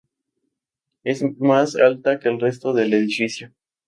Es más alta que el resto del edificio.